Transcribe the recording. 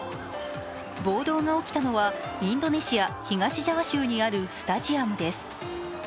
暴動が起きたのはインドネシア・東ジャワ州にあるスタジアムです。